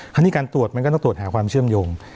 คราวนี้การตรวจมันก็ต้องตรวจหาความเชื่อมโยง